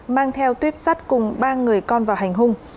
mang theo tuyếp sắt cùng ba người con vào hành hung